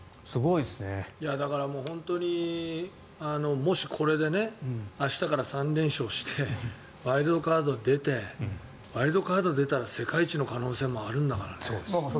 本当にもしこれで明日から３連勝してワイルドカードで出てワイルドカードに出たら世界一の可能性もあるんだから。